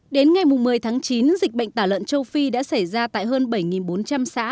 đến ngày một mươi tháng chín dịch bệnh tả lợn châu phi đã xảy ra tại hơn bảy bốn trăm linh xã